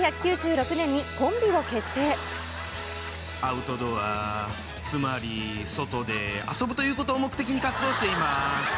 アウトドア、つまり外で遊ぶということを目的に活動しています。